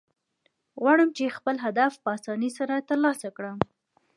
غواړم، چي خپل هدف په آساني سره ترلاسه کړم.